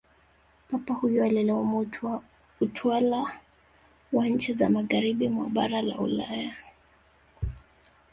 papa huyo alilaumu utwala wa nchi za magharibi mwa bara la ulaya